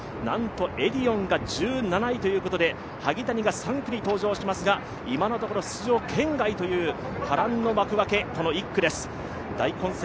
エディオンが１７位ということで萩谷がこのあと登場しますが、今のところ出場圏外という波乱の幕開け、この１区です。